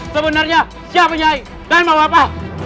sebenarnya siapa nyai dan mau apa